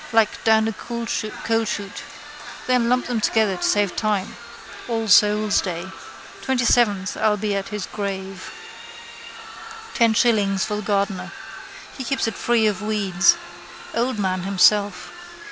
Like down a coalshoot. Then lump them together to save time. All souls' day. Twentyseventh I'll be at his grave. Ten shillings for the gardener. He keeps it free of weeds. Old man himself.